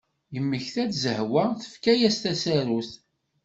Yemmekta-d Zehwa tefka-as tasarut.